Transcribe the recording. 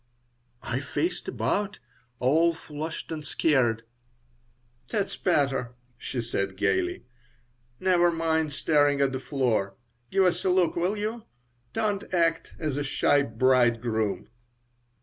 I faced about, all flushed and scared "That's better," she said, gaily. "Never mind staring at the floor. Give us a look, will you? Don't act as a shy bridegroom."